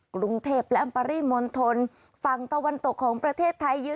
กรุงเทพและปริมณฑลฝั่งตะวันตกของประเทศไทยเยอะ